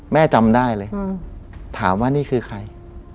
จำได้เลยถามว่านี่คือใคร